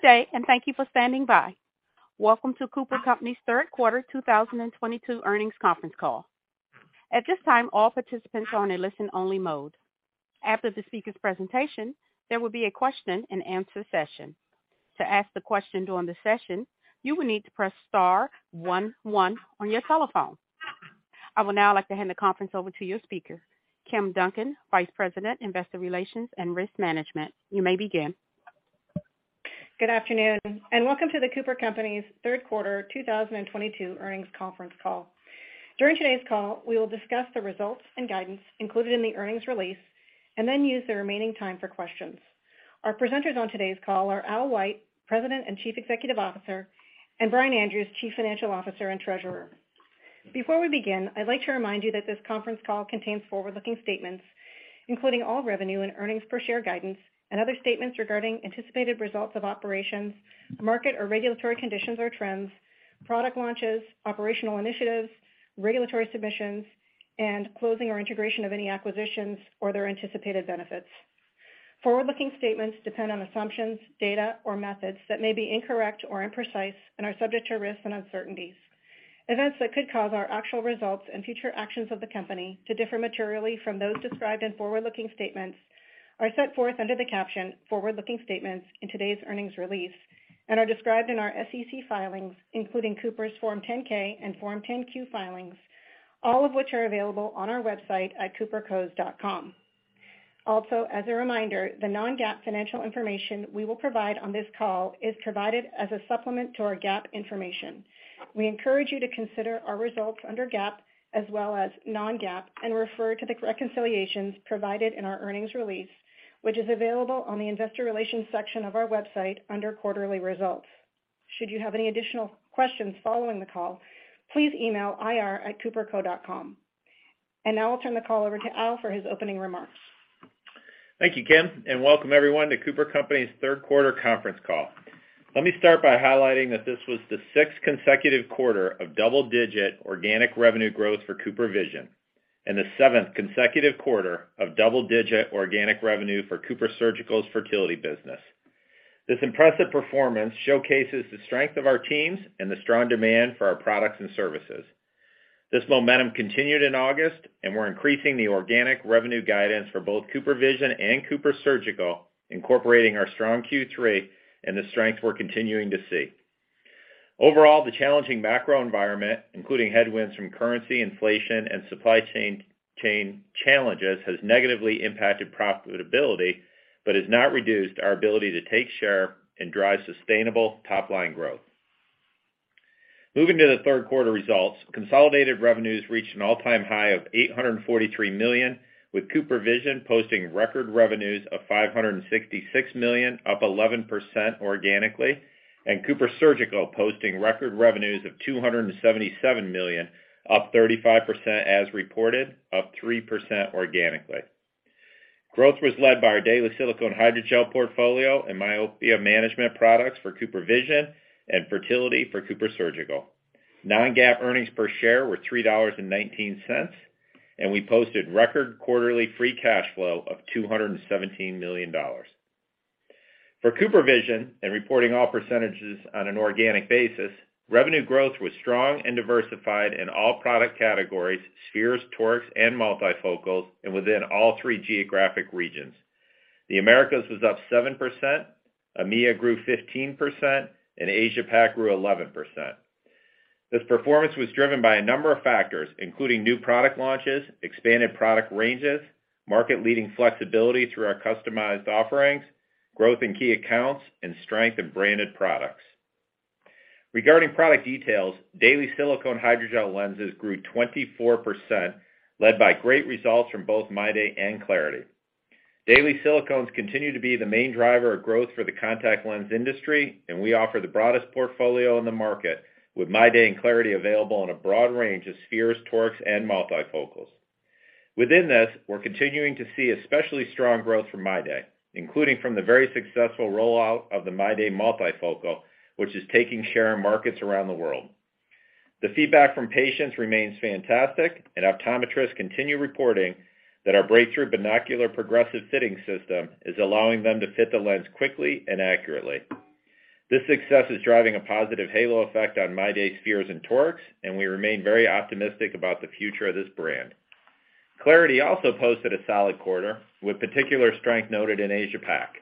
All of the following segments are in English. Good day, and thank you for standing by. Welcome to The Cooper Companies' third quarter 2022 earnings conference call. At this time, all participants are on a listen only mode. After the speaker's presentation, there will be a question-and-answer session. To ask the question during the session, you will need to press star one one on your telephone. I would now like to hand the conference over to your speaker, Kim Duncan, Vice President, Investor Relations and Risk Management. You may begin. Good afternoon and welcome to The Cooper Companies' third quarter 2022 earnings conference call. During today's call, we will discuss the results and guidance included in the earnings release and then use the remaining time for questions. Our presenters on today's call are Al White, President and Chief Executive Officer, and Brian Andrews, Chief Financial Officer and Treasurer. Before we begin, I'd like to remind you that this conference call contains forward-looking statements, including all revenue and earnings per share guidance and other statements regarding anticipated results of operations, market or regulatory conditions or trends, product launches, operational initiatives, regulatory submissions, and closing or integration of any acquisitions or their anticipated benefits. Forward-looking statements depend on assumptions, data or methods that may be incorrect or imprecise and are subject to risks and uncertainties. Events that could cause our actual results and future actions of the company to differ materially from those described in forward-looking statements are set forth under the caption forward-Looking Statements in today's earnings release and are described in our SEC filings, including Cooper's Form 10-K and Form 10-Q filings, all of which are available on our website at coopercos.com. Also, as a reminder, the non-GAAP financial information we will provide on this call is provided as a supplement to our GAAP information. We encourage you to consider our results under GAAP as well as non-GAAP and refer to the reconciliations provided in our earnings release, which is available on the investor relations section of our website under Quarterly Results. Should you have any additional questions following the call, please email ir@coopercos.com. Now I'll turn the call over to Albert G. White for his opening remarks. Thank you, Kim, and welcome everyone to The Cooper Companies' third quarter conference call. Let me start by highlighting that this was the sixth consecutive quarter of double-digit organic revenue growth for CooperVision and the seventh consecutive quarter of double-digit organic revenue for CooperSurgical's fertility business. This impressive performance showcases the strength of our teams and the strong demand for our products and services. This momentum continued in August, and we're increasing the organic revenue guidance for both CooperVision and CooperSurgical, incorporating our strong third quarter and the strength we're continuing to see. Overall, the challenging macro environment, including headwinds from currency, inflation, and supply chain challenges has negatively impacted profitability, but has not reduced our ability to take share and drive sustainable top line growth. Moving to the third quarter results, consolidated revenues reached an all-time high of $843 million, with CooperVision posting record revenues of $566 million, up 11% organically, and CooperSurgical posting record revenues of $277 million, up 35% as reported, up 3% organically. Growth was led by our daily silicone hydrogel portfolio and myopia management products for CooperVision and fertility for CooperSurgical. Non-GAAP earnings per share were $3.19, and we posted record quarterly free cash flow of $217 million. For CooperVision and reporting all percentages on an organic basis, revenue growth was strong and diversified in all product categories spheres, torics, and multifocals and within all three geographic regions. The Americas was up 7%, EMEA grew 15%, and Asia-Pac grew 11%. This performance was driven by a number of factors, including new product launches, expanded product ranges, market leading flexibility through our customized offerings, growth in key accounts and strength in branded products. Regarding product details, daily silicone hydrogel lenses grew 24%, led by great results from both MyDay and clariti. Daily silicones continue to be the main driver of growth for the contact lens industry, and we offer the broadest portfolio in the market with MyDay and clariti available in a broad range of spheres, torics and multifocals. Within this, we're continuing to see especially strong growth from MyDay, including from the very successful rollout of the MyDay multifocal, which is taking share in markets around the world. The feedback from patients remains fantastic and optometrists continue reporting that our breakthrough Binocular Progressive Fitting System is allowing them to fit the lens quickly and accurately. This success is driving a positive halo effect on MyDay spheres and torics, and we remain very optimistic about the future of this brand. Clariti also posted a solid quarter, with particular strength noted in Asia-Pac.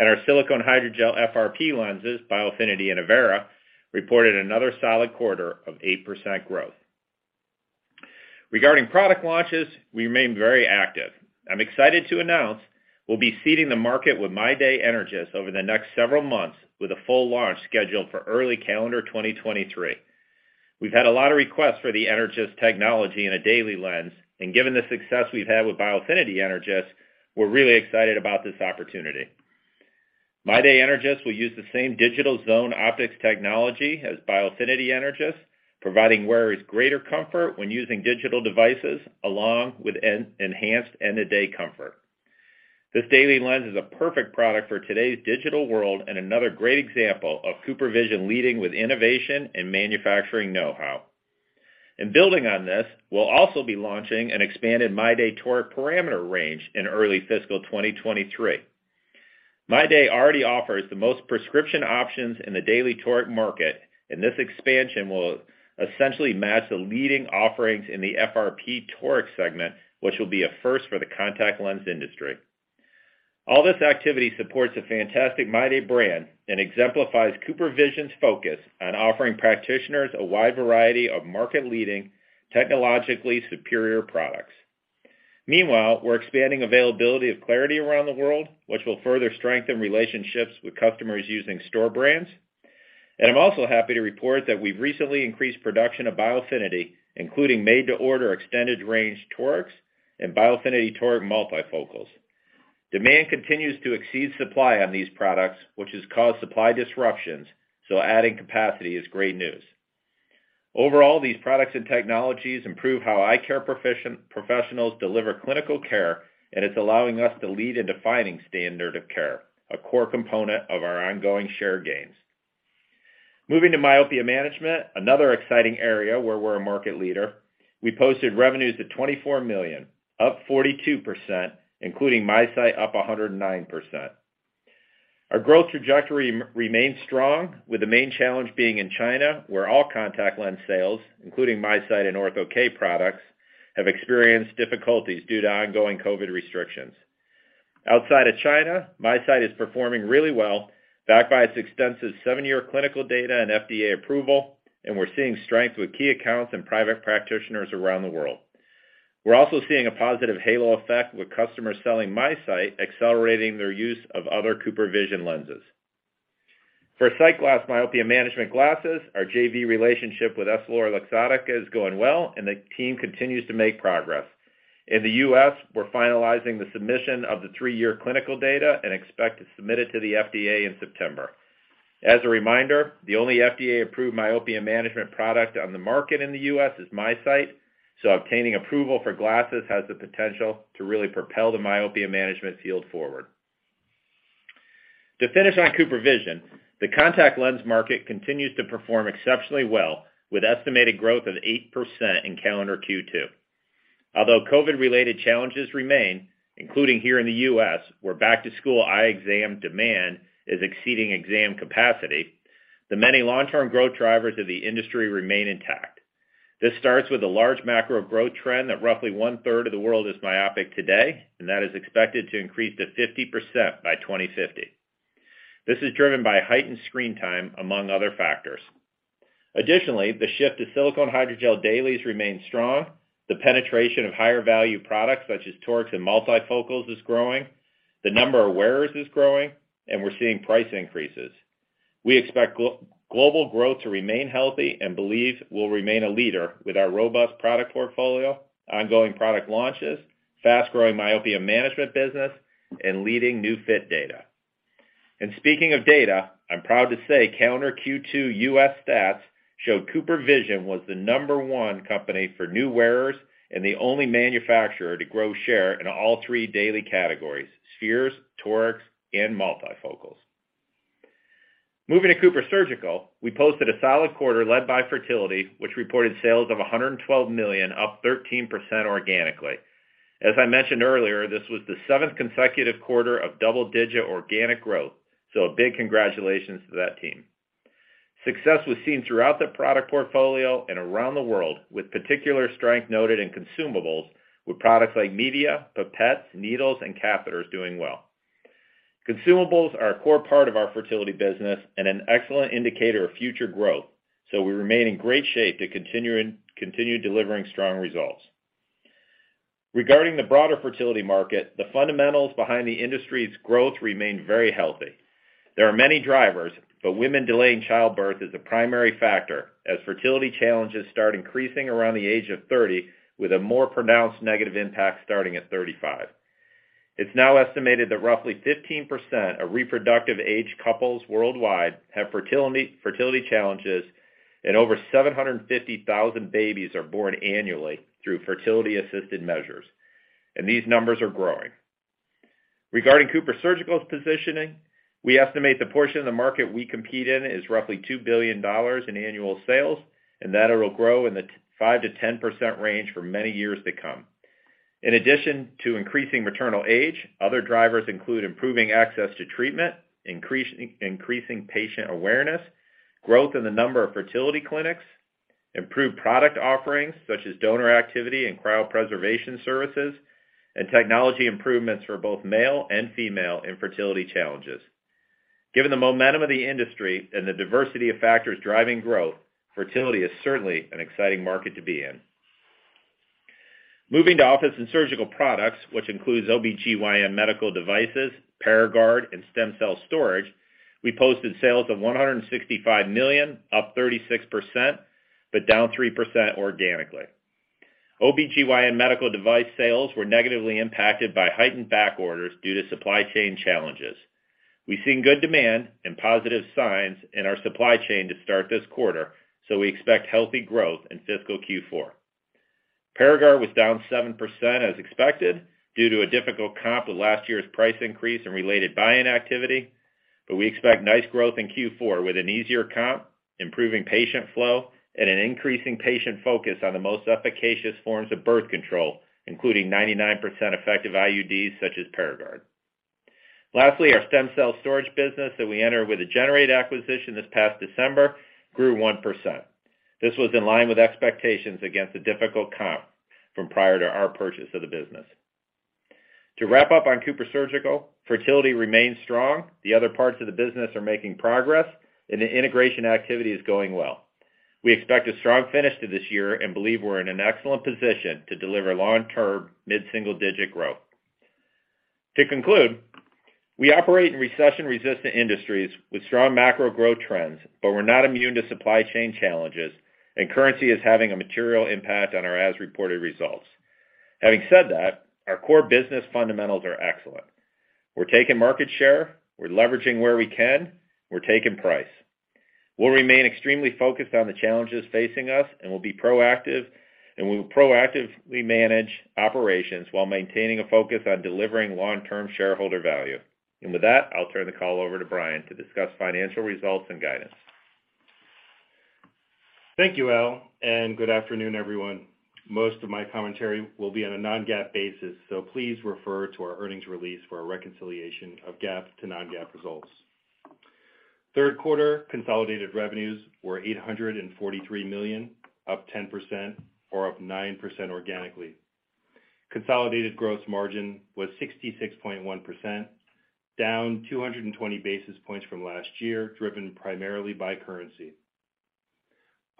Our silicone hydrogel FRP lenses, Biofinity and Avaira, reported another solid quarter of 8% growth. Regarding product launches, we remain very active. I'm excited to announce we'll be seeding the market with MyDay Energys over the next several months with a full launch scheduled for early calendar 2023. We've had a lot of requests for the Energys technology in a daily lens, and given the success we've had with Biofinity Energys, we're really excited about this opportunity. MyDay Energys will use the same Digital Zone Optics technology as Biofinity Energys, providing wearers greater comfort when using digital devices along with enhanced end of day comfort. This daily lens is a perfect product for today's digital world and another great example of CooperVision leading with innovation and manufacturing know-how. Building on this, we'll also be launching an expanded MyDay toric parameter range in early fiscal 2023. MyDay already offers the most prescription options in the daily toric market, and this expansion will essentially match the leading offerings in the FRP toric segment, which will be a first for the contact lens industry. All this activity supports a fantastic MyDay brand and exemplifies CooperVision's focus on offering practitioners a wide variety of market-leading, technologically superior products. Meanwhile, we're expanding availability of clariti around the world, which will further strengthen relationships with customers using store brands. I'm also happy to report that we've recently increased production of Biofinity, including made-to-order extended range torics and Biofinity toric multifocals. Demand continues to exceed supply on these products, which has caused supply disruptions, so adding capacity is great news. Overall, these products and technologies improve how eye care professionals deliver clinical care, and it's allowing us to lead in defining standard of care, a core component of our ongoing share gains. Moving to myopia management, another exciting area where we're a market leader, we posted revenues of $24 million, up 42%, including MiSight up 109%. Our growth trajectory remains strong, with the main challenge being in China, where all contact lens sales, including MiSight and Ortho-K products, have experienced difficulties due to ongoing COVID restrictions. Outside of China, MiSight is performing really well, backed by its extensive 7-year clinical data and FDA approval, and we're seeing strength with key accounts and private practitioners around the world. We're also seeing a positive halo effect with customers selling MiSight, accelerating their use of other CooperVision lenses. For SightGlass myopia management glasses, our JV relationship with EssilorLuxottica is going well, and the team continues to make progress. In the U.S., we're finalizing the submission of the three-year clinical data and expect to submit it to the FDA in September. As a reminder, the only FDA-approved myopia management product on the market in the U.S. is MiSight, so obtaining approval for glasses has the potential to really propel the myopia management field forward. To finish on CooperVision, the contact lens market continues to perform exceptionally well, with estimated growth of 8% in calendar second quarter. Although COVID-related challenges remain, including here in the U.S., where back-to-school eye exam demand is exceeding exam capacity, the many long-term growth drivers of the industry remain intact. This starts with a large macro growth trend that roughly 1/3 of the world is myopic today, and that is expected to increase to 50% by 2050. This is driven by heightened screen time, among other factors. Additionally, the shift to silicone hydrogel dailies remains strong. The penetration of higher-value products, such as torics and multifocals, is growing. The number of wearers is growing, and we're seeing price increases. We expect global growth to remain healthy and believe we'll remain a leader with our robust product portfolio, ongoing product launches, fast-growing myopia management business, and leading new fit data. Speaking of data, I'm proud to say calendar second quarter U.S. stats show CooperVision was the number one company for new wearers and the only manufacturer to grow share in all three daily categories, spheres, torics, and multifocals. Moving to CooperSurgical, we posted a solid quarter led by fertility, which reported sales of $112 million, up 13% organically. As I mentioned earlier, this was the seventh consecutive quarter of double-digit organic growth, so a big congratulations to that team. Success was seen throughout the product portfolio and around the world, with particular strength noted in consumables, with products like media, pipettes, needles, and catheters doing well. Consumables are a core part of our fertility business and an excellent indicator of future growth, so we remain in great shape to continue delivering strong results. Regarding the broader fertility market, the fundamentals behind the industry's growth remain very healthy. There are many drivers, but women delaying childbirth is a primary factor, as fertility challenges start increasing around the age of 30, with a more pronounced negative impact starting at 35. It's now estimated that roughly 15% of reproductive-age couples worldwide have fertility challenges, and over 750,000 babies are born annually through fertility-assisted measures, and these numbers are growing. Regarding CooperSurgical's positioning, we estimate the portion of the market we compete in is roughly $2 billion in annual sales, and that it'll grow in the 5%-10% range for many years to come. In addition to increasing maternal age, other drivers include improving access to treatment, increasing patient awareness, growth in the number of fertility clinics, improved product offerings such as donor activity and cryopreservation services, and technology improvements for both male and female infertility challenges. Given the momentum of the industry and the diversity of factors driving growth, fertility is certainly an exciting market to be in. Moving to office and surgical products, which includes OBGYN medical devices, ParaGard, and stem cell storage, we posted sales of $165 million, up 36%, but down 3% organically. OBGYN medical device sales were negatively impacted by heightened back orders due to supply chain challenges. We've seen good demand and positive signs in our supply chain to start this quarter, so we expect healthy growth in fiscal fourth quarter. ParaGard was down 7% as expected due to a difficult comp with last year's price increase and related buy-in activity. We expect nice growth in fourth quarter with an easier comp, improving patient flow, and an increasing patient focus on the most efficacious forms of birth control, including 99% effective IUDs such as ParaGard. Lastly, our stem cell storage business that we entered with the Generate acquisition this past December grew 1%. This was in line with expectations against a difficult comp from prior to our purchase of the business. To wrap up on CooperSurgical, fertility remains strong. The other parts of the business are making progress, and the integration activity is going well. We expect a strong finish to this year and believe we're in an excellent position to deliver long-term mid-single-digit growth. To conclude, we operate in recession-resistant industries with strong macro growth trends, but we're not immune to supply chain challenges, and currency is having a material impact on our as-reported results. Having said that, our core business fundamentals are excellent. We're taking market share, we're leveraging where we can, we're taking price. We'll remain extremely focused on the challenges facing us, and we'll be proactive and we will proactively manage operations while maintaining a focus on delivering long-term shareholder value. With that, I'll turn the call over to Brian to discuss financial results and guidance. Thank you, Al, and good afternoon, everyone. Most of my commentary will be on a non-GAAP basis, so please refer to our earnings release for a reconciliation of GAAP to non-GAAP results. Third quarter consolidated revenues were $843 million, up 10% or up 9% organically. Consolidated gross margin was 66.1%, down 220 basis points from last year, driven primarily by currency.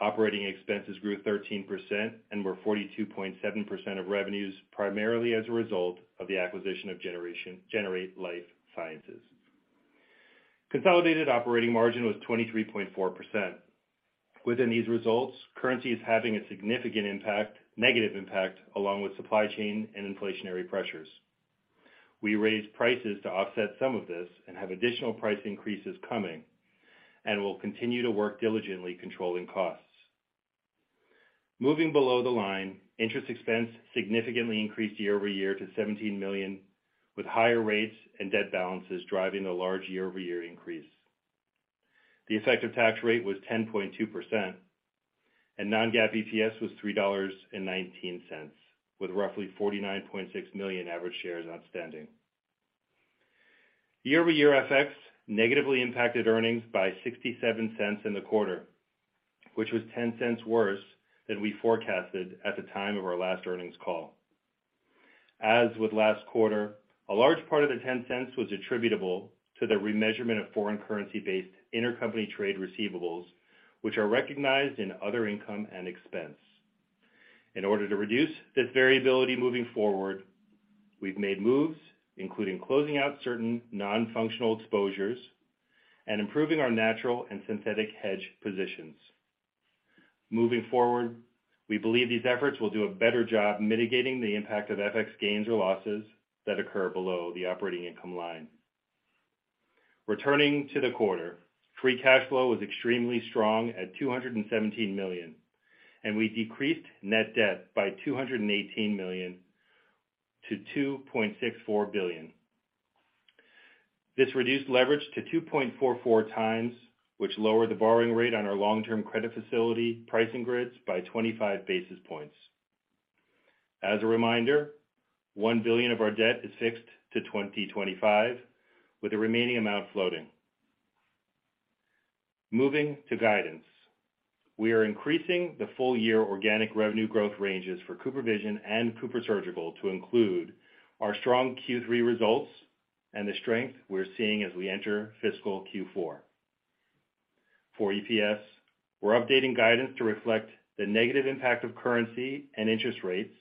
Operating expenses grew 13% and were 42.7% of revenues, primarily as a result of the acquisition of Generate Life Sciences. Consolidated operating margin was 23.4%. Within these results, currency is having a significant impact, negative impact, along with supply chain and inflationary pressures. We raised prices to offset some of this and have additional price increases coming, and we'll continue to work diligently controlling costs. Moving below the line, interest expense significantly increased year-over-year to $17 million, with higher rates and debt balances driving the large year-over-year increase. The effective tax rate was 10.2%, and non-GAAP EPS was $3.19, with roughly $49.6 million average shares outstanding. Year-over-year FX negatively impacted earnings by $0.67 in the quarter, which was $0.10 worse than we forecasted at the time of our last earnings call. As with last quarter, a large part of the $0.10 was attributable to the re-measurement of foreign currency-based intercompany trade receivables, which are recognized in other income and expense. In order to reduce this variability moving forward, we've made moves, including closing out certain non-functional exposures and improving our natural and synthetic hedge positions. Moving forward, we believe these efforts will do a better job mitigating the impact of FX gains or losses that occur below the operating income line. Returning to the quarter, free cash flow was extremely strong at $217 million, and we decreased net debt by $218 million to $2.64 billion. This reduced leverage to 2.44x, which lowered the borrowing rate on our long-term credit facility pricing grids by 25 basis points. As a reminder, $1 billion of our debt is fixed to 2025, with the remaining amount floating. Moving to guidance. We are increasing the full year organic revenue growth ranges for CooperVision and CooperSurgical to include our strong third quarter results and the strength we're seeing as we enter fiscal fourth quarter. For EPS, we're updating guidance to reflect the negative impact of currency and interest rates,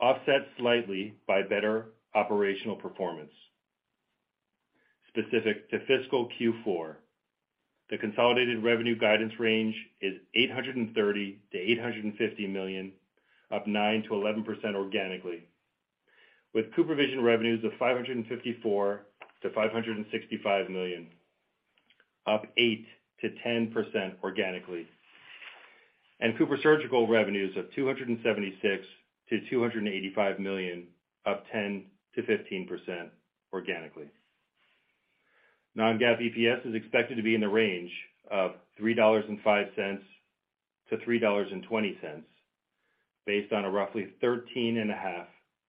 offset slightly by better operational performance. Specific to fiscal fourth quarter, the consolidated revenue guidance range is $830 million-$850 million, up 9%-11% organically, with CooperVision revenues of $554 million-$565 million, up 8%-10% organically, and CooperSurgical revenues of $276 million-$285 million, up 10%-15% organically. Non-GAAP EPS is expected to be in the range of $3.05-$3.20 based on a roughly 13.5%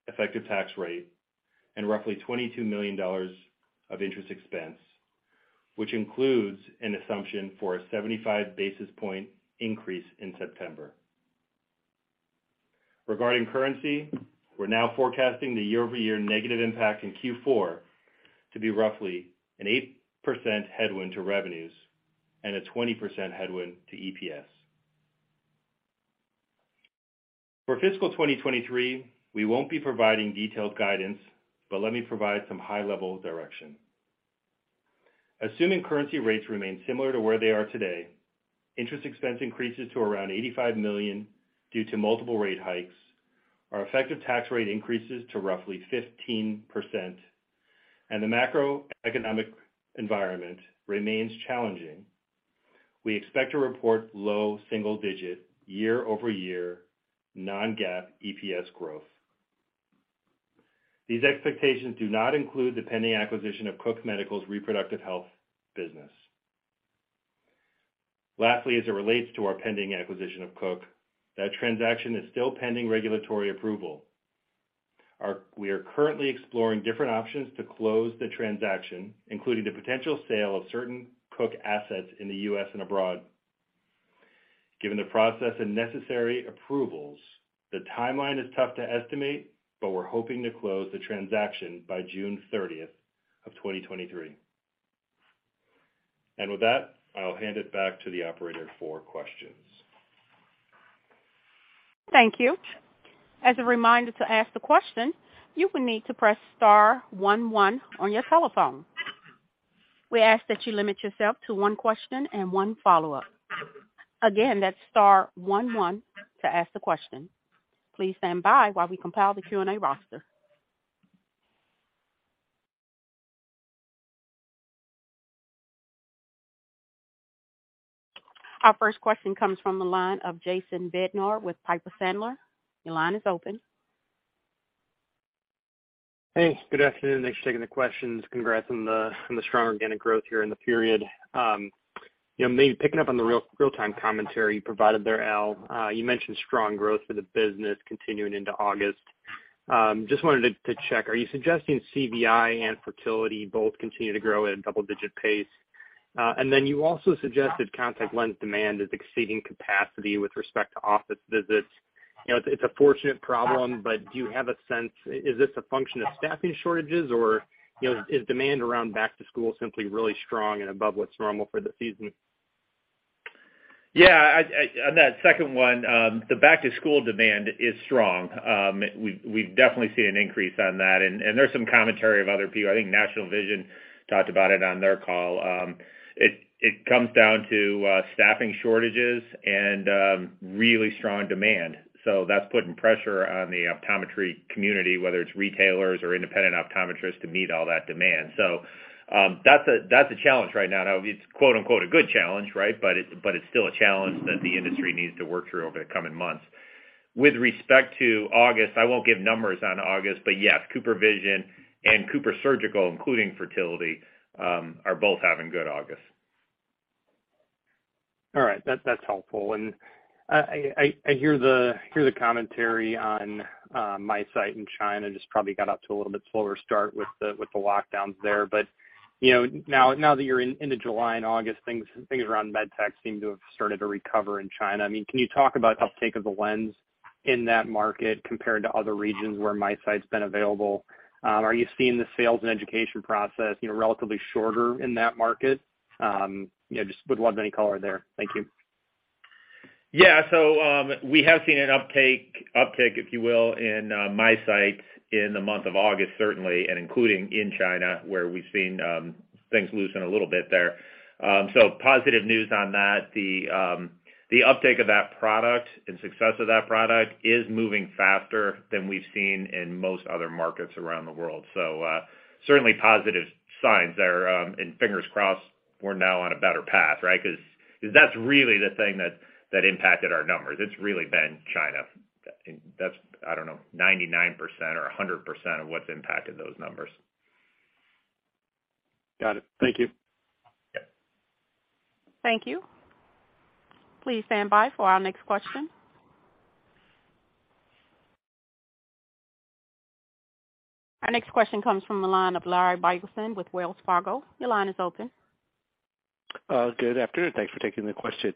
effective tax rate and roughly $22 million of interest expense, which includes an assumption for a 75 basis point increase in September. Regarding currency, we're now forecasting the year-over-year negative impact in fourth quarter to be roughly an 8% headwind to revenues and a 20% headwind to EPS. For fiscal 2023, we won't be providing detailed guidance, but let me provide some high-level direction. Assuming currency rates remain similar to where they are today, interest expense increases to around $85 million due to multiple rate hikes, our effective tax rate increases to roughly 15%, and the macroeconomic environment remains challenging We expect to report low single-digit year-over-year non-GAAP EPS growth. These expectations do not include the pending acquisition of Cook Medical's reproductive health business. Lastly, as it relates to our pending acquisition of Cook, that transaction is still pending regulatory approval. We are currently exploring different options to close the transaction, including the potential sale of certain Cook assets in the U.S. and abroad. Given the process and necessary approvals, the timeline is tough to estimate, but we're hoping to close the transaction by June 30th, 2023. With that, I'll hand it back to the operator for questions. Thank you. As a reminder, to ask the question, you will need to press star one one on your telephone. We ask that you limit yourself to one question and one follow-up. Again, that's star one one to ask the question. Please stand by while we compile the Q&A roster. Our first question comes from the line of Jason Bednar with Piper Sandler. Your line is open. Hey, good afternoon. Thanks for taking the questions. Congrats on the strong organic growth here in the period. You know, maybe picking up on the real-time commentary you provided there, Albert, you mentioned strong growth for the business continuing into August. Just wanted to check, are you suggesting CVI and fertility both continue to grow at a double-digit pace? And then you also suggested contact lens demand is exceeding capacity with respect to office visits. You know, it's a fortunate problem, but do you have a sense, is this a function of staffing shortages or, you know, is demand around back to school simply really strong and above what's normal for the season? Yeah. On that second one, the back to school demand is strong. We've definitely seen an increase on that. There's some commentary of other people. I think National Vision talked about it on their call. It comes down to staffing shortages and really strong demand. That's putting pressure on the optometry community, whether it's retailers or independent optometrists, to meet all that demand. That's a challenge right now. Now, it's quote-unquote a good challenge, right? It's still a challenge that the industry needs to work through over the coming months. With respect to August, I won't give numbers on August, but yes, CooperVision and CooperSurgical, including fertility, are both having good August. All right. That's helpful. I hear the commentary on MiSight in China just probably got off to a little bit slower start with the lockdowns there. But you know, now that you're into July and August, things around med tech seem to have started to recover in China. I mean, can you talk about uptake of the lens in that market compared to other regions where MiSight's been available? Are you seeing the sales and education process you know, relatively shorter in that market? You know, just would love any color there. Thank you. Yeah. We have seen an uptake, uptick, if you will, in MiSight in the month of August, certainly, and including in China, where we've seen things loosen a little bit there. Positive news on that. The uptake of that product and success of that product is moving faster than we've seen in most other markets around the world. Certainly positive signs there, and fingers crossed we're now on a better path, right? Cause that's really the thing that impacted our numbers. It's really been China. That's 99% or 100% of what's impacted those numbers. Got it. Thank you. Yeah. Thank you. Please stand by for our next question. Our next question comes from the line of Larry Biegelsen with Wells Fargo. Your line is open. Good afternoon. Thanks for taking the question.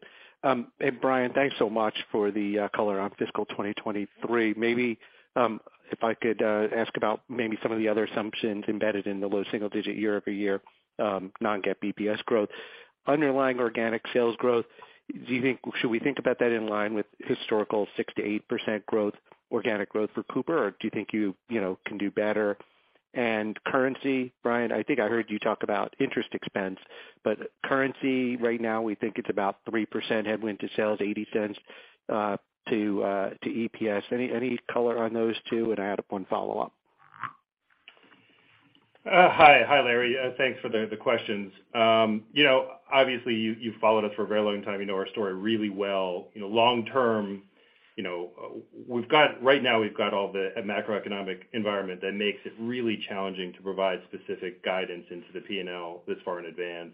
Brian, thanks so much for the color on fiscal 2023. Maybe if I could ask about maybe some of the other assumptions embedded in the low single-digit year-over-year non-GAAP EPS growth. Underlying organic sales growth, do you think should we think about that in line with historical 6%-8% growth, organic growth for Cooper, or do you think you know can do better? Currency, Brian, I think I heard you talk about interest expense, but currency right now we think it's about 3% headwind to sales, $0.80 to EPS. Any color on those two? I had one follow-up. Hi. Hi, Larry. Thanks for the questions. You know, obviously you've followed us for a very long time. You know our story really well. You know, long term, you know, right now we've got a macroeconomic environment that makes it really challenging to provide specific guidance into the P&L this far in advance.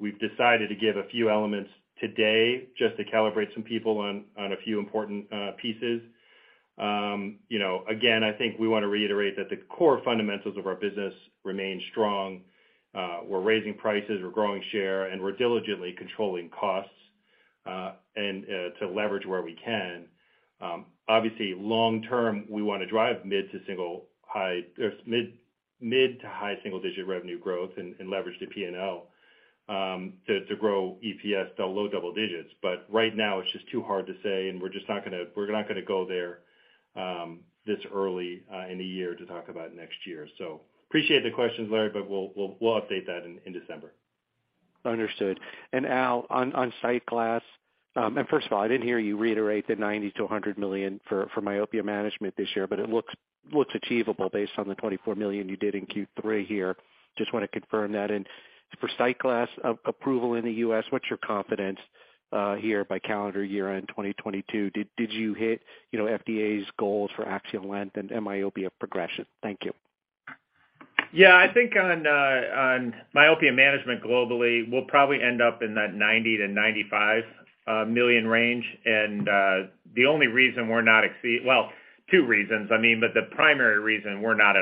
We've decided to give a few elements today just to calibrate some people on a few important pieces. You know, again, I think we wanna reiterate that the core fundamentals of our business remain strong. We're raising prices, we're growing share, and we're diligently controlling costs and to leverage where we can. Obviously long term, we wanna drive mid to high single digit revenue growth and leverage to P&L to grow EPS to low double digits. Right now it's just too hard to say, and we're just not gonna go there this early in the year to talk about next year. Appreciate the questions, Larry, but we'll update that in December. Understood. Albert, on SightGlass, first of all, I didn't hear you reiterate the $90-$100 million for myopia management this year, but it looks achievable based on the $24 million you did in third quarter here. Just wanna confirm that. For SightGlass approval in the U.S., what's your confidence here by calendar year end, 2022? Did you hit, you know, FDA's goals for axial length and myopia progression? Thank you. Yeah, I think on myopia management globally, we'll probably end up in that $90-$95 million range. The only reason we're not at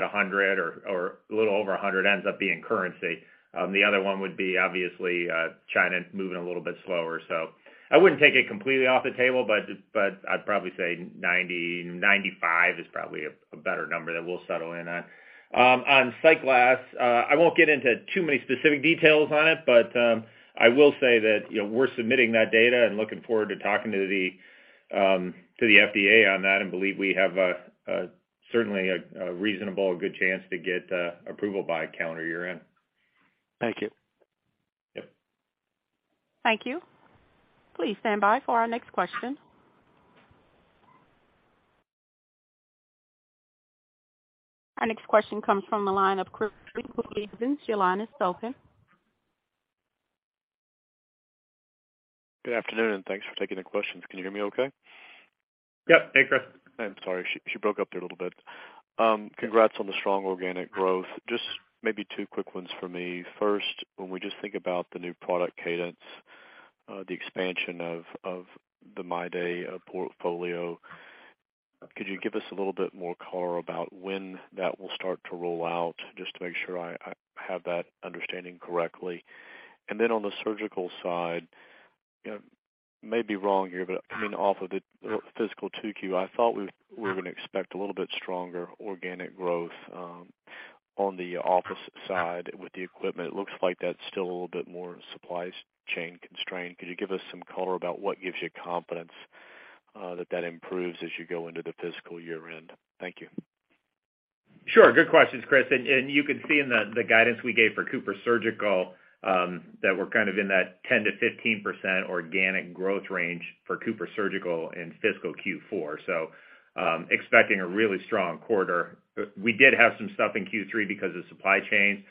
a hundred or a little over 100 ends up being currency. The other one would be obviously, China moving a little bit slower. I wouldn't take it completely off the table, but I'd probably say 90-95 is probably a better number that we'll settle in on. On SightGlass, I won't get into too many specific details on it, but I will say that, you know, we're submitting that data and looking forward to talking to the FDA on that and believe we have certainly a reasonable good chance to get approval by calendar year-end. Thank you. Yep. Thank you. Please stand by for our next question. Our next question comes from the line of Chris. Your line is open. Good afternoon, and thanks for taking the questions. Can you hear me okay? Yep. Hey, Chris. I'm sorry. She broke up there a little bit. Congrats on the strong organic growth. Just maybe two quick ones for me. First, when we just think about the new product cadence, the expansion of the MyDay portfolio, could you give us a little bit more color about when that will start to roll out, just to make sure I have that understanding correctly? Then on the surgical side, you know, maybe wrong here, but I mean, off of the fiscal second quarter, I thought we were gonna expect a little bit stronger organic growth on the office side with the equipment. Looks like that's still a little bit more supply chain constrained. Could you give us some color about what gives you confidence that improves as you go into the fiscal year end? Thank you. Sure. Good questions, Chris. You can see in the guidance we gave for CooperSurgical, that we're kind of in that 10%-15% organic growth range for CooperSurgical in fiscal fourth quarter. Expecting a really strong quarter. But we did have some stuff in third quarter because of supply chain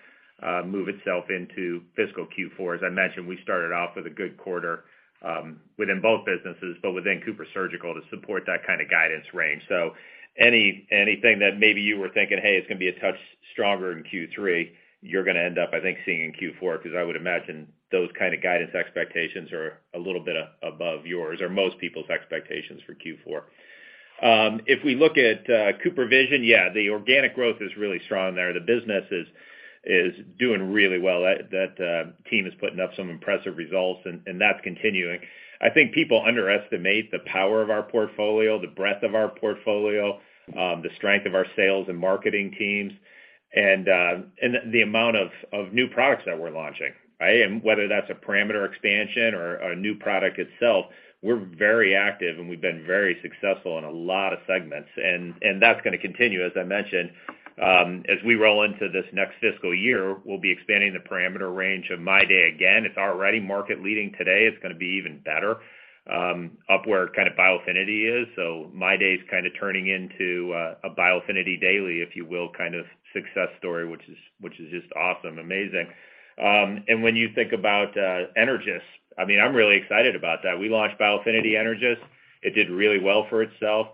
move itself into fiscal fourth quarter. As I mentioned, we started off with a good quarter within both businesses, but within CooperSurgical to support that kind of guidance range. Anything that maybe you were thinking, Hey, it's gonna be a touch stronger in third quarter, you're gonna end up, I think, seeing in fourth quarter, 'cause I would imagine those kind of guidance expectations are a little bit above yours or most people's expectations for fourth quarter. If we look at CooperVision, yeah, the organic growth is really strong there. The business is doing really well. That team is putting up some impressive results and that's continuing. I think people underestimate the power of our portfolio, the breadth of our portfolio, the strength of our sales and marketing teams, and the amount of new products that we're launching, right? Whether that's a parameter expansion or a new product itself, we're very active, and we've been very successful in a lot of segments. That's gonna continue. As I mentioned, as we roll into this next fiscal year, we'll be expanding the parameter range of MyDay again. It's already market leading today. It's gonna be even better, up where kind of Biofinity is. So MyDay is kind of turning into a Biofinity daily, if you will, kind of success story, which is just awesome, amazing. When you think about Energys, I mean, I'm really excited about that. We launched Biofinity Energys. It did really well for itself.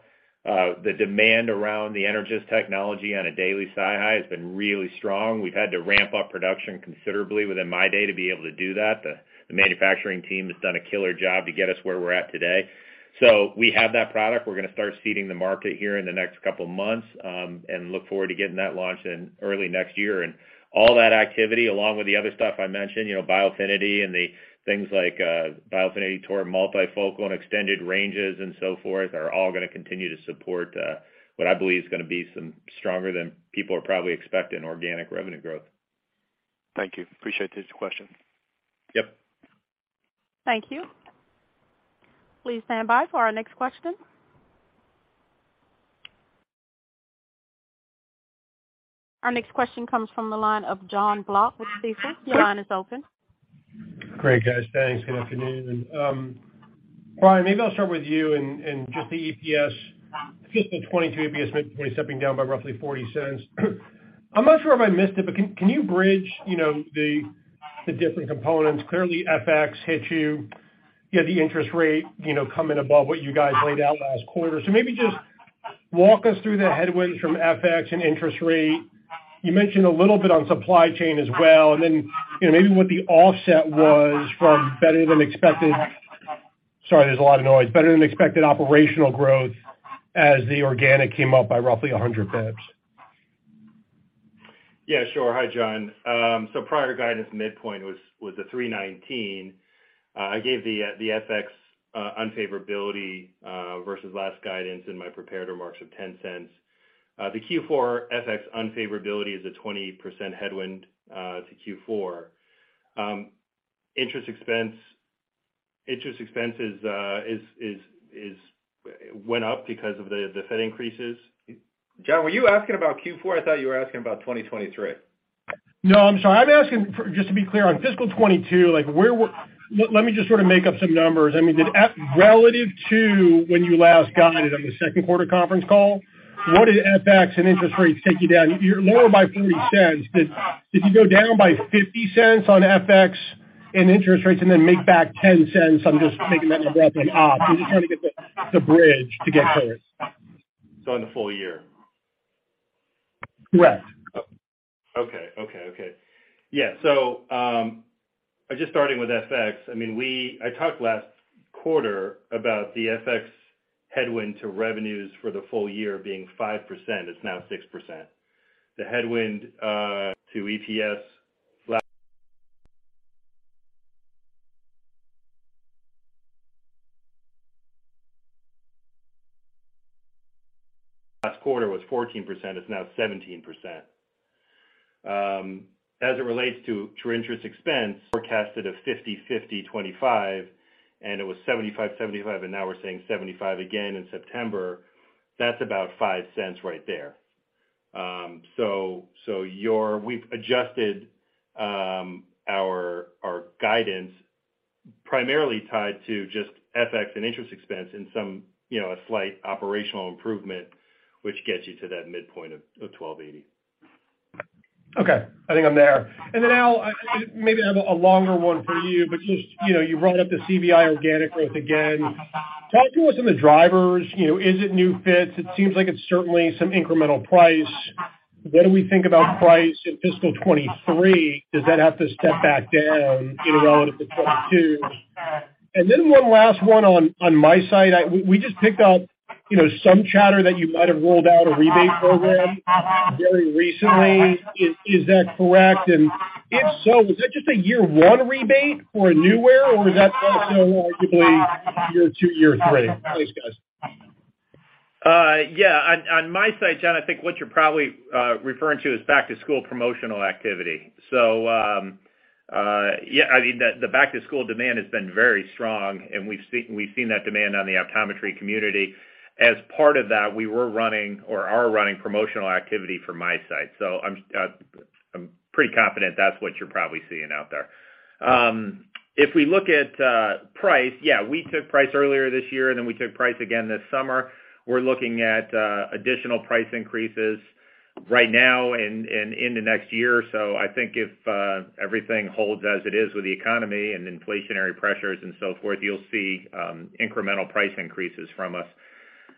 The demand around the Energys technology on a daily SiHy has been really strong. We've had to ramp up production considerably within MyDay to be able to do that. The manufacturing team has done a killer job to get us where we're at today. So we have that product. We're gonna start seeding the market here in the next couple of months, and look forward to getting that launched in early next year. All that activity, along with the other stuff I mentioned, you know, Biofinity and the things like Biofinity toric multifocal and extended ranges and so forth, are all gonna continue to support what I believe is gonna be some stronger than people are probably expecting organic revenue growth. Thank you. Appreciate these questions. Yep. Thank you. Please stand by for our next question. Our next question comes from the line of Jonathan Block with Stifel. Your line is open. Great, guys. Thanks. Good afternoon. Brian, maybe I'll start with you and just the EPS. Just the 22 EPS midpoint stepping down by roughly $0.40. I'm not sure if I missed it, but can you bridge, you know, the different components? Clearly, FX hit you. You had the interest rate, you know, come in above what you guys laid out last quarter. Maybe just walk us through the headwinds from FX and interest rate. You mentioned a little bit on supply chain as well, and then, you know, maybe what the offset was from better than expected. Sorry, there's a lot of noise. Better than expected operational growth as the organic came up by roughly 100 basis points. Yeah, sure. Hi, Jon. So prior guidance midpoint was $3.19. I gave the FX unfavorability versus last guidance in my prepared remarks of $0.10. The Q4 FX unfavorability is a 20% headwind to fourth quarter. Interest expense went up because of the Fed increases. Jon, were you asking about fourth quarter? I thought you were asking about 2023. No, I'm sorry. I'm asking for, just to be clear, on fiscal 2022, like let me just sort of make up some numbers. I mean, relative to when you last guided on the second quarter conference call, what did FX and interest rates take you down? You're lower by $0.40, but did you go down by $0.50 on FX and interest rates and then make back $0.10? I'm just making that number up on ops. I'm just trying to get the bridge to get clear. In the full year? Correct. Okay. Just starting with FX, I mean, I talked last quarter about the FX headwind to revenues for the full year being 5%, it's now 6%. The headwind to EPS last quarter was 14%, it's now 17%. As it relates to interest expense, forecasted of 50/50/25, and it was 75/75, and now we're saying 75 again in September. That's about $0.05 right there. We've adjusted our guidance primarily tied to just FX and interest expense and some, you know, a slight operational improvement, which gets you to that midpoint of 12.80. Okay. I think I'm there. Albert, I maybe have a longer one for you, but just, you know, you brought up the CVI organic growth again. Talk to us on the drivers. You know, is it new fits? It seems like it's certainly some incremental price. What do we think about price in fiscal 2023? Does that have to step back down, you know, relative to 2022? Then one last one on my side. We just picked up, you know, some chatter that you might have rolled out a rebate program very recently. Is that correct? If so, was that just a year one rebate for new wear or was that also arguably year two-year-three? Please, guys. Yeah. On MyDay, Jon, I think what you're probably referring to is back-to-school promotional activity. I mean, the back-to-school demand has been very strong, and we've seen that demand on the optometry community. As part of that, we were running or are running promotional activity for MyDay. I'm pretty confident that's what you're probably seeing out there. If we look at price, we took price earlier this year, and then we took price again this summer. We're looking at additional price increases right now and into next year. I think if everything holds as it is with the economy and inflationary pressures and so forth, you'll see incremental price increases from us.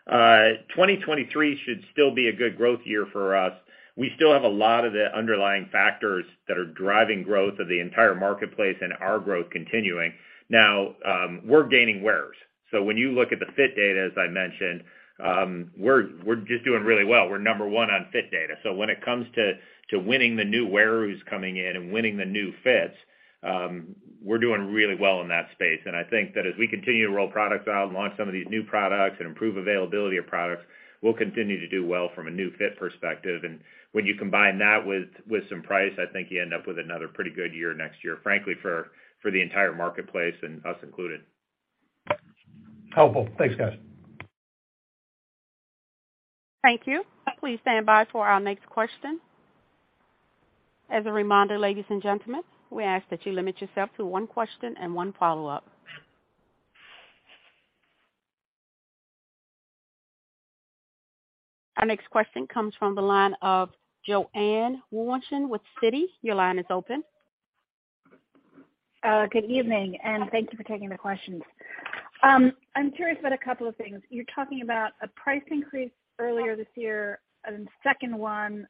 2023 should still be a good growth year for us. We still have a lot of the underlying factors that are driving growth of the entire marketplace and our growth continuing. Now, we're gaining wearers. When you look at the fit data, as I mentioned, we're just doing really well. We're number one on fit data. When it comes to winning the new wearer who's coming in and winning the new fits, we're doing really well in that space. I think that as we continue to roll products out and launch some of these new products and improve availability of products, we'll continue to do well from a new fit perspective. When you combine that with some price, I think you end up with another pretty good year next year, frankly, for the entire marketplace and us included. Helpful. Thanks, guys. Thank you. Please stand by for our next question. As a reminder, ladies and gentlemen, we ask that you limit yourself to one question and one follow-up. Our next question comes from the line of Joanne K. Wuensch with Citi. Your line is open. Good evening, and thank you for taking the questions. I'm curious about a couple of things. You're talking about a price increase earlier this year, and then a second one,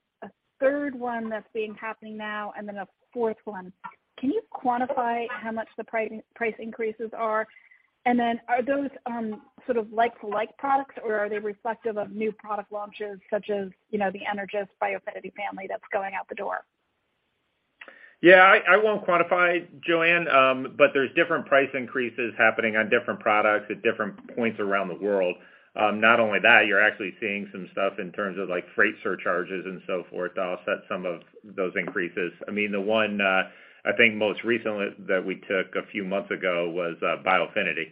a third one that's being happening now, and then a fourth one. Can you quantify how much the price increases are? And then are those, sort of like to like products, or are they reflective of new product launches such as, you know, the Biofinity Energys family that's going out the door? Yeah. I won't quantify, Joanne, but there's different price increases happening on different products at different points around the world. Not only that, you're actually seeing some stuff in terms of like freight surcharges and so forth to offset some of those increases. I mean, the one I think most recently that we took a few months ago was Biofinity.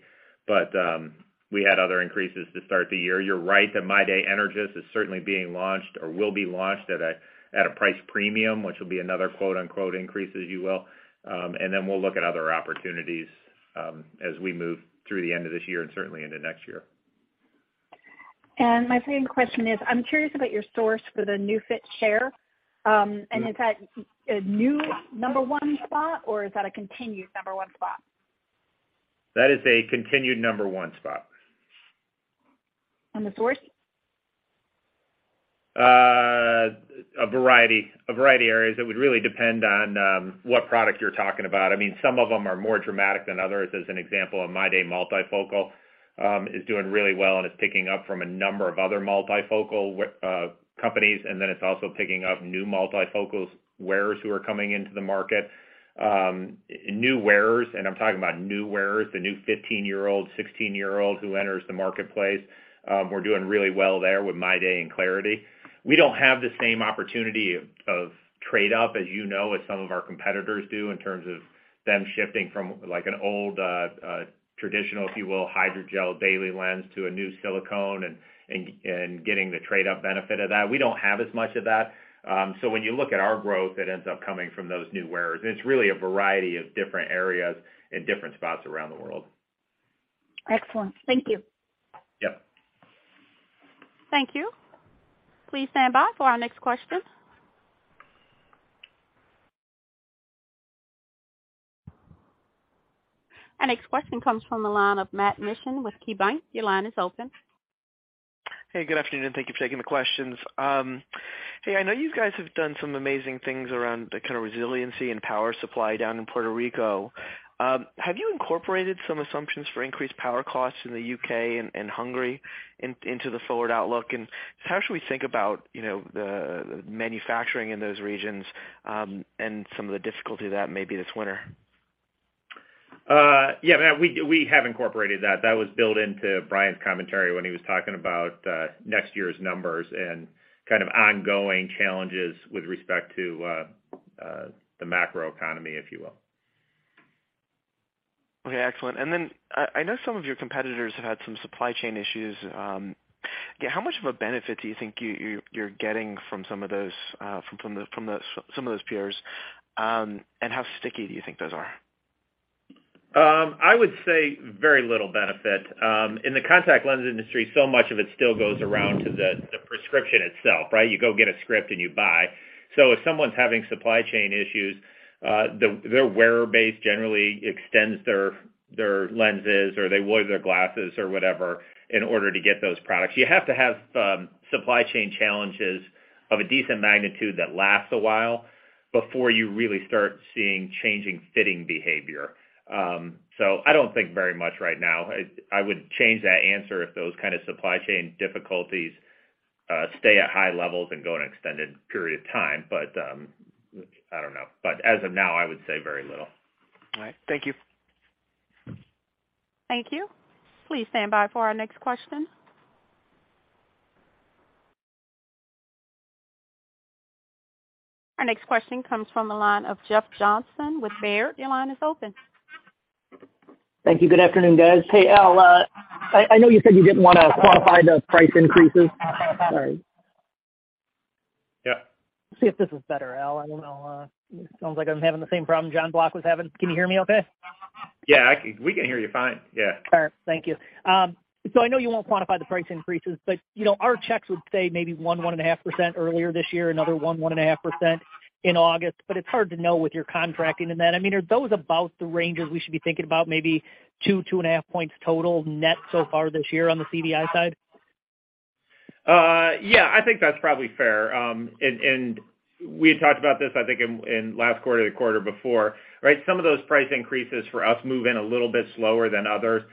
We had other increases to start the year. You're right that MyDay Energys is certainly being launched or will be launched at a price premium, which will be another quote-unquote increase, as you will. We'll look at other opportunities as we move through the end of this year and certainly into next year. My second question is, I'm curious about your source for the new fit-share. Is that a new number one spot or is that a continued number one spot? That is a continued number one spot. On the source? A variety of areas. It would really depend on what product you're talking about. I mean, some of them are more dramatic than others. As an example, a MyDay multifocal is doing really well, and it's picking up from a number of other multifocal companies, and then it's also picking up new multifocals wearers who are coming into the market. New wearers, and I'm talking about new wearers, the new 15-year-old, 16-year-old who enters the marketplace, we're doing really well there with MyDay and clariti. We don't have the same opportunity of trade up, as you know, as some of our competitors do in terms of them shifting from like an old traditional, if you will, hydrogel daily lens to a new silicone hydrogel and getting the trade up benefit of that. We don't have as much of that. When you look at our growth, it ends up coming from those new wearers. It's really a variety of different areas and different spots around the world. Excellent. Thank you. Yep. Thank you. Please stand by for our next question. Our next question comes from the line of Matt Mishan with KeyBanc. Your line is open. Hey, good afternoon. Thank you for taking the questions. Hey, I know you guys have done some amazing things around the kind of resiliency and power supply down in Puerto Rico. Have you incorporated some assumptions for increased power costs in the U.K. and Hungary into the forward outlook? How should we think about, you know, the manufacturing in those regions, and some of the difficulty that may be this winter? Yeah, Matt, we have incorporated that. That was built into Brian's commentary when he was talking about the macroeconomy, if you will. Okay, excellent. I know some of your competitors have had some supply chain issues. How much of a benefit do you think you're getting from some of those peers? How sticky do you think those are? I would say very little benefit. In the contact lens industry, so much of it still goes around to the prescription itself, right? You go get a script, and you buy. If someone's having supply chain issues, their wearer base generally extends their lenses, or they wear their glasses or whatever in order to get those products. You have to have supply chain challenges of a decent magnitude that lasts a while before you really start seeing changing fitting behavior. I don't think very much right now. I would change that answer if those kind of supply chain difficulties stay at high levels and go an extended period of time, but I don't know. As of now, I would say very little. All right. Thank you. Thank you. Please stand by for our next question. Our next question comes from the line of Jeff Johnson with Baird. Your line is open. Thank you. Good afternoon, guys. Hey, Albert, I know you said you didn't wanna qualify the price increases. Sorry. Yeah. See if this is better, Albert. I don't know. It sounds like I'm having the same problem Jon Block was having. Can you hear me okay? We can hear you fine. Yeah. All right. Thank you. I know you won't quantify the price increases, but, you know, our checks would say maybe 1.5% earlier this year, another 1.5% in August. It's hard to know with your contracting in that. I mean, are those about the ranges we should be thinking about maybe 2.5 points total net so far this year on the CVI side? Yeah. I think that's probably fair. We had talked about this, I think in last quarter-to-quarter before, right? Some of those price increases for us move in a little bit slower than others.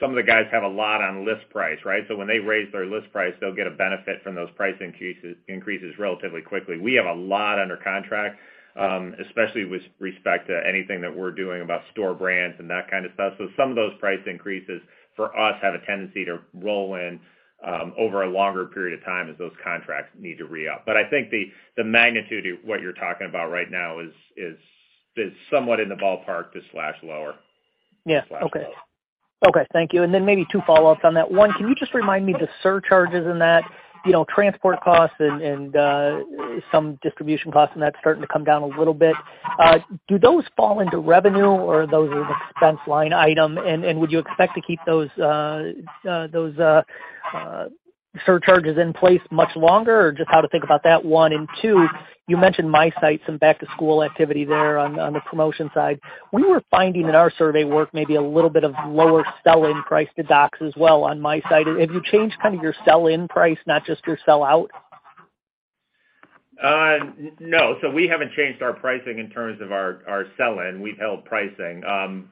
Some of the guys have a lot on list price, right? So when they raise their list price, they'll get a benefit from those price increases relatively quickly. We have a lot under contract, especially with respect to anything that we're doing about store brands and that kind of stuff. So some of those price increases for us have a tendency to roll in over a longer period of time as those contracts need to re-up. I think the magnitude of what you're talking about right now is somewhat in the ballpark or slightly lower. Yeah. Okay. Slash lower. Okay. Thank you. Then maybe two follow-ups on that. One, can you just remind me of the surcharges in that, transport costs and some distribution costs and that starting to come down a little bit. Do those fall into revenue, or those are an expense line item? Would you expect to keep those surcharges in place much longer, or just how to think about that one? Two, you mentioned MiSight, some back to school activity there on the promotion side. We were finding in our survey work maybe a little bit of lower sell-in price to docs as well on MiSight. Have you changed kind of your sell-in price, not just your sell out? No. We haven't changed our pricing in terms of our sell-in. We've held pricing.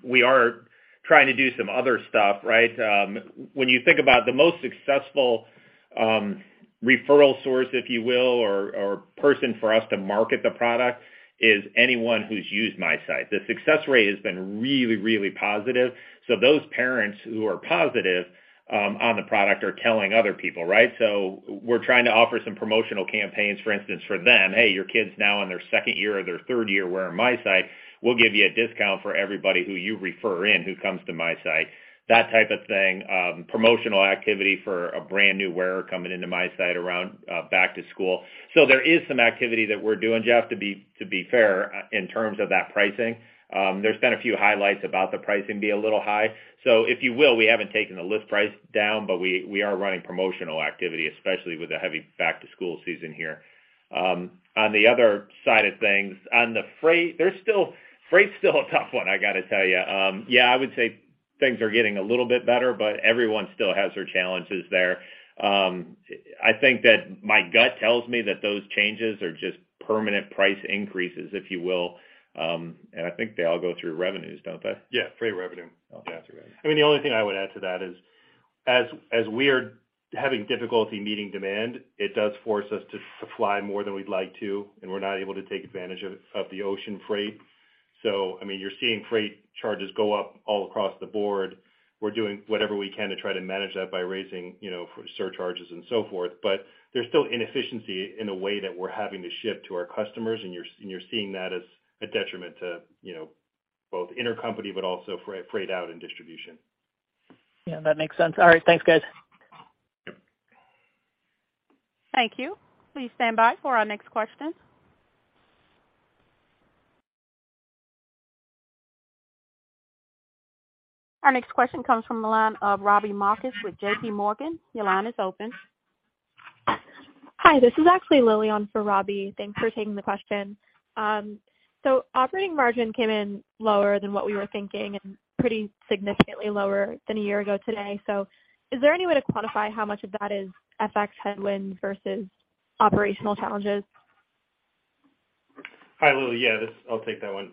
We are trying to do some other stuff, right? When you think about the most successful referral source, if you will, or person for us to market the product is anyone who's used MiSight. The success rate has been really, really positive. Those parents who are positive on the product are telling other people, right? We're trying to offer some promotional campaigns, for instance, for them. Hey, your kid's now in their second year or their third year wearing MiSight. We'll give you a discount for everybody who you refer in who comes to MiSight. That type of thing. Promotional activity for a brand new wearer coming into MiSight around back to school. There is some activity that we're doing, Jeff, to be fair in terms of that pricing. There's been a few highlights about the pricing being a little high. If you will, we haven't taken the list price down, but we are running promotional activity, especially with the heavy back-to-school season here. On the other side of things, on the freight, there's still. Freight's still a tough one, I gotta tell you. Yeah, I would say things are getting a little bit better, but everyone still has their challenges there. I think that my gut tells me that those changes are just permanent price increases, if you will. I think they all go through revenues, don't they? Yeah, freight revenue. Okay. I mean, the only thing I would add to that is as we are having difficulty meeting demand, it does force us to supply more than we'd like to, and we're not able to take advantage of the ocean freight. I mean, you're seeing freight charges go up all across the board. We're doing whatever we can to try to manage that by raising, you know, surcharges and so forth. There's still inefficiency in the way that we're having to ship to our customers, and you're seeing that as a detriment to, you know, both intercompany but also freight out and distribution. Yeah, that makes sense. All right. Thanks, guys. Yep. Thank you. Please stand by for our next question. Our next question comes from the line of Robbie Marcus with JPMorgan, your line is open. Hi, this is actually Lily on for Robbie. Thanks for taking the question. Operating margin came in lower than what we were thinking and pretty significantly lower than a year ago today. Is there any way to quantify how much of that is FX headwind versus operational challenges? Hi, Lily. Yeah, I'll take that one.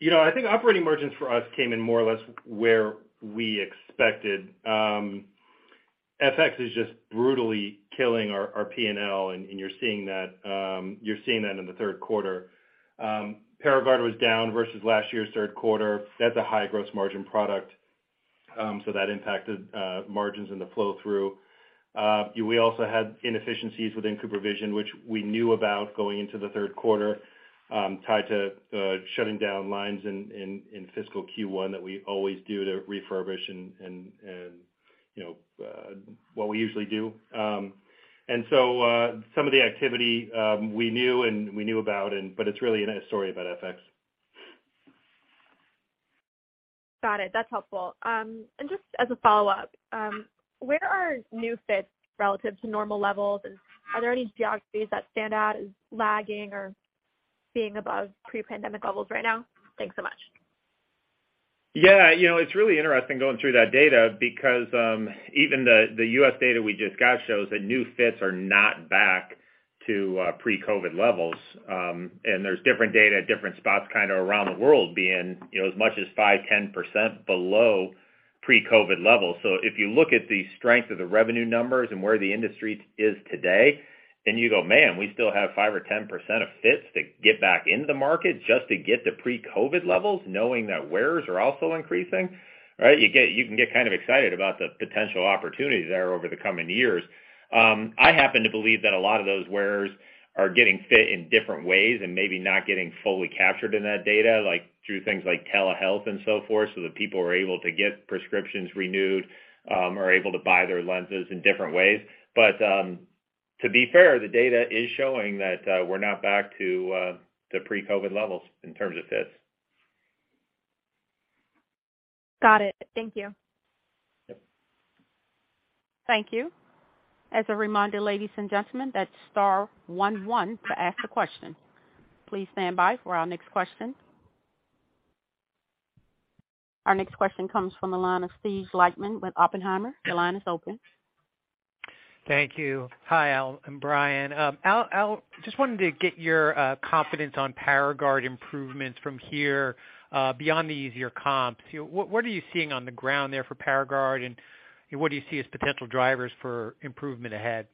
You know, I think operating margins for us came in more or less where we expected. FX is just brutally killing our P&L, and you're seeing that in the third quarter. ParaGard was down versus last year's third quarter. That's a high gross margin product, so that impacted margins in the flow through. We also had inefficiencies within CooperVision, which we knew about going into the third quarter, tied to shutting down lines in fiscal first quarter that we always do to refurbish and, you know, what we usually do. Some of the activity we knew about, but it's really a story about FX. Got it. That's helpful. And just as a follow-up, where are new fits relative to normal levels? Are there any geographies that stand out as lagging or being above pre-pandemic levels right now? Thanks so much. Yeah. You know, it's really interesting going through that data because even the U.S. data we just got shows that new fits are not back to pre-COVID levels. There's different data at different spots kinda around the world being you know, as much as 5-10% below pre-COVID levels. If you look at the strength of the revenue numbers and where the industry is today, then you go, "Man, we still have five or 10% of fits to get back into the market just to get to pre-COVID levels," knowing that wearers are also increasing, right? You can get kind of excited about the potential opportunities there over the coming years. I happen to believe that a lot of those wearers are getting fit in different ways and maybe not getting fully captured in that data, like, through things like telehealth and so forth, so that people are able to get prescriptions renewed, are able to buy their lenses in different ways. To be fair, the data is showing that we're not back to pre-COVID levels in terms of fits. Got it. Thank you. Yep. Thank you. As a reminder, ladies and gentlemen, that's star one one to ask a question. Please stand by for our next question. Our next question comes from the line of Steven Lichtman with Oppenheimer. Your line is open. Thank you. Hi, Albert and Brian. Albert, just wanted to get your confidence on ParaGard improvements from here, beyond the easier comps. You know, what are you seeing on the ground there for ParaGard, and what do you see as potential drivers for improvement ahead?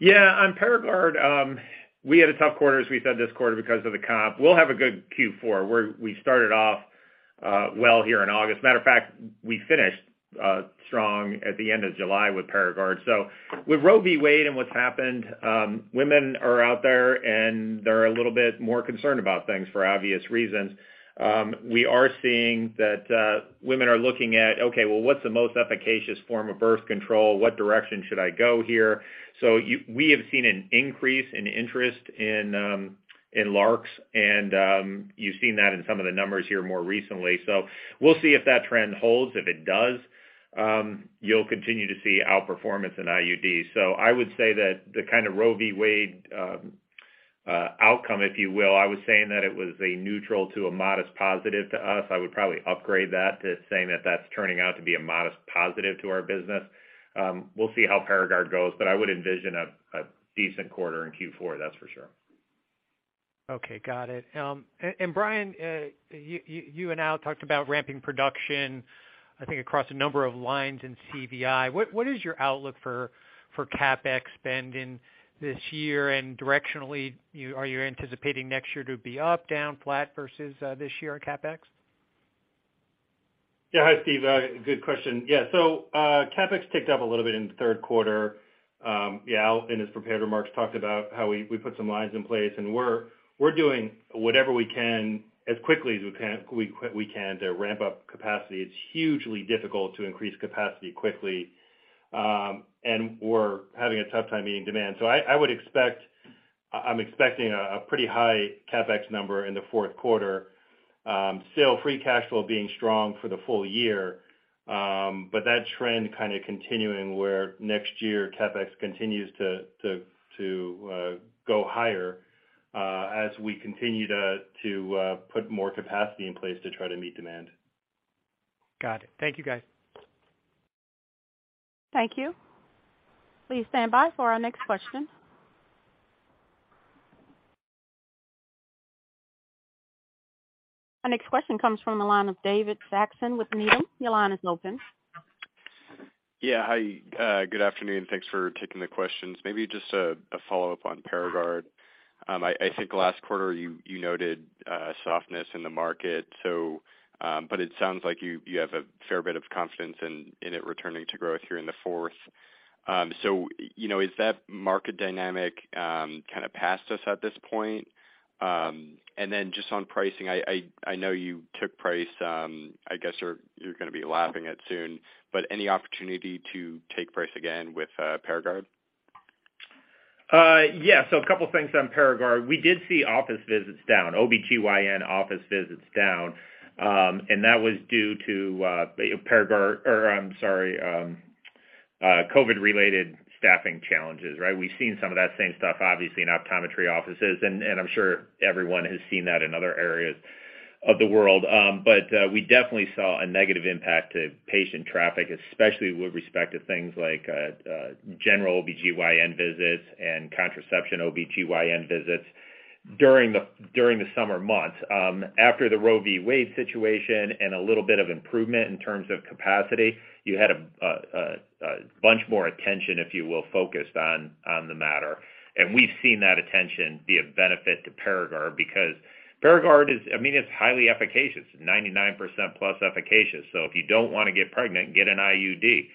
Yeah. On ParaGard, we had a tough quarter, as we said this quarter because of the comp. We'll have a good fourth quarter. We started off well here in August. Matter of fact, we finished strong at the end of July with ParaGard. With Roe v. Wade and what's happened, women are out there, and they're a little bit more concerned about things for obvious reasons. We are seeing that women are looking at, okay, well, what's the most efficacious form of birth control? What direction should I go here? We have seen an increase in interest in LARCs, and you've seen that in some of the numbers here more recently. We'll see if that trend holds. If it does, you'll continue to see outperformance in IUD. I would say that the kind of Roe v. Wade outcome, if you will, I was saying that it was a neutral to a modest positive to us. I would probably upgrade that to saying that that's turning out to be a modest positive to our business. We'll see how ParaGard goes, but I would envision a decent quarter in fourth quarter, that's for sure. Okay, got it. And Brian, you and Albert talked about ramping production, I think, across a number of lines in CVI. What is your outlook for CapEx spend in this year? Directionally, are you anticipating next year to be up, down, flat versus this year at CapEx? Yeah. Hi, Steve. Good question. Yeah. CapEx ticked up a little bit in the third quarter. Yeah, Albert, in his prepared remarks, talked about how we put some lines in place, and we're doing whatever we can as quickly as we can to ramp up capacity. It's hugely difficult to increase capacity quickly. We're having a tough time meeting demand. I'm expecting a pretty high CapEx number in the fourth quarter. Still free cash flow being strong for the full year, that trend kinda continuing where next year CapEx continues to go higher as we continue to put more capacity in place to try to meet demand. Got it. Thank you, guys. Thank you. Please stand by for our next question. Our next question comes from the line of David Saxon with Needham. Your line is open. Yeah. Hi, good afternoon. Thanks for taking the questions. Maybe just a follow-up on ParaGard. I think last quarter you noted softness in the market, but it sounds like you have a fair bit of confidence in it returning to growth here in the fourth. You know, is that market dynamic kind of past us at this point? Just on pricing, I know you took price. I guess you're gonna be lapping it soon, but any opportunity to take price again with ParaGard? Yeah. A couple things on ParaGard. We did see office visits down, OBGYN office visits down, and that was due to COVID-related staffing challenges, right? We've seen some of that same stuff obviously in optometry offices, and I'm sure everyone has seen that in other areas of the world. We definitely saw a negative impact to patient traffic, especially with respect to things like general OBGYN visits and contraception OBGYN visits during the summer months. After the Roe v. Wade situation and a little bit of improvement in terms of capacity, you had a bunch more attention, if you will, focused on the matter. We've seen that attention be a benefit to ParaGard because ParaGard is, I mean, it's highly efficacious, 99% plus efficacious. If you don't wanna get pregnant, get an IUD.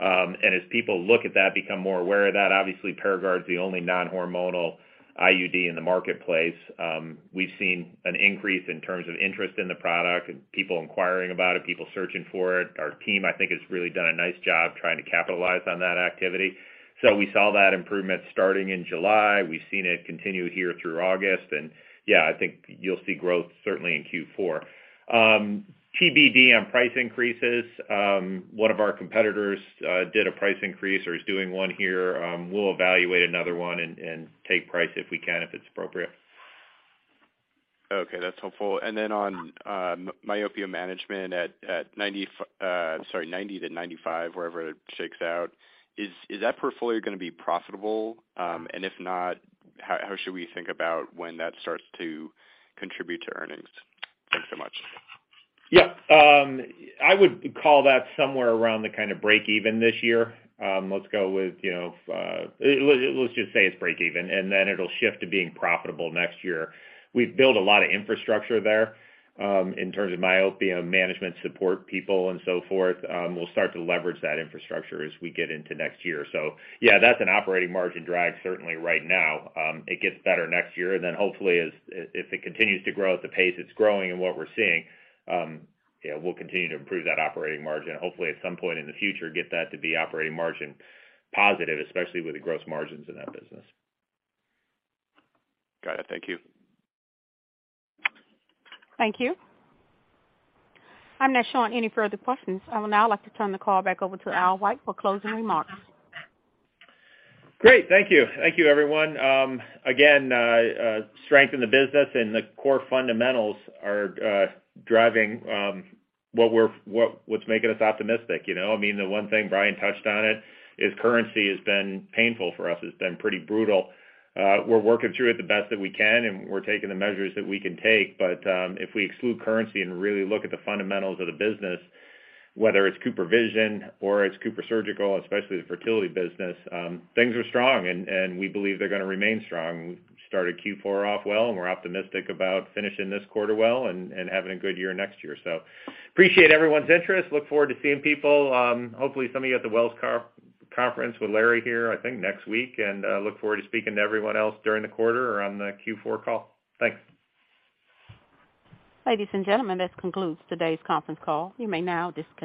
As people look at that, become more aware of that, obviously ParaGard is the only non-hormonal IUD in the marketplace. We've seen an increase in terms of interest in the product and people inquiring about it, people searching for it. Our team, I think, has really done a nice job trying to capitalize on that activity. We saw that improvement starting in July. We've seen it continue here through August. Yeah, I think you'll see growth certainly in fourth quarter. TBD on price increases. One of our competitors did a price increase or is doing one here. We'll evaluate another one and take price if we can, if it's appropriate. Okay, that's helpful. On myopia management at 90%-95%, wherever it shakes out, is that portfolio gonna be profitable? If not, how should we think about when that starts to contribute to earnings? Thanks so much. Yeah. I would call that somewhere around the kind of breakeven this year. Let's go with, you know, let's just say it's breakeven, and then it'll shift to being profitable next year. We've built a lot of infrastructure there, in terms of myopia management support people and so forth. We'll start to leverage that infrastructure as we get into next year. Yeah, that's an operating margin drag certainly right now. It gets better next year. Then hopefully as if it continues to grow at the pace it's growing and what we're seeing, you know, we'll continue to improve that operating margin, hopefully at some point in the future, get that to be operating margin positive, especially with the gross margins in that business. Got it. Thank you. Thank you. I'm not showing any further questions. I would now like to turn the call back over to Albert G. White for closing remarks. Great. Thank you. Thank you, everyone. Again, strength in the business and the core fundamentals are driving what's making us optimistic, you know? I mean, the one thing Brian touched on it, is currency has been painful for us. It's been pretty brutal. We're working through it the best that we can, and we're taking the measures that we can take. If we exclude currency and really look at the fundamentals of the business, whether it's CooperVision or it's CooperSurgical, especially the fertility business, things are strong and we believe they're gonna remain strong. We started fourth quarter off well, and we're optimistic about finishing this quarter well and having a good year next year. Appreciate everyone's interest. Look forward to seeing people, hopefully some of you at the Wells Fargo Healthcare Conference with Larry here, I think next week. Look forward to speaking to everyone else during the quarter or on the fourth quarter call. Thanks. Ladies and gentlemen, this concludes today's conference call. You may now disconnect.